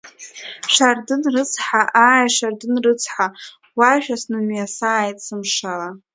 Шардын рыцҳа, ааи Шардын рыцҳа, уашәа снымҩасааит, сымшала…